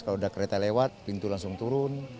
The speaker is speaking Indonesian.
kalau ada kereta lewat pintu langsung turun